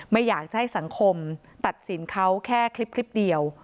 ไม่อยากจะให้สังคมตัดสินเขาแค่คลิปเดียว